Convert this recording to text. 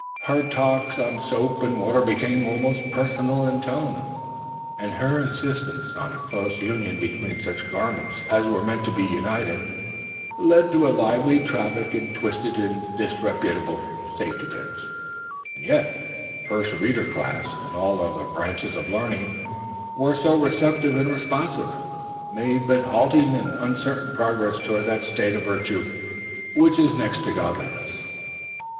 Her talks on soap and water became almost personal in tone, and her insistence on a close union between such garments as were meant to be united, led to a lively traffic in twisted and disreputable safety pins. And yet the First Reader Class, in all other branches of learning so receptive and responsive, made but halting and uncertain progress toward that state of virtue which is next to godliness.